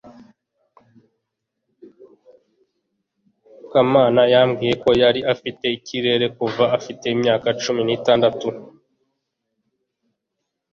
kamana yambwiye ko yari afite ikirere kuva afite imyaka cumi n'itandatu